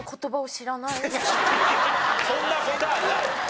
そんな事はない。